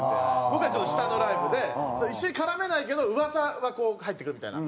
僕らちょっと下のライブで一緒に絡めないけど噂はこう入ってくるみたいな。